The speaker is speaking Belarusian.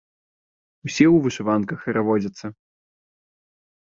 Усе ў вышыванках хараводзяцца.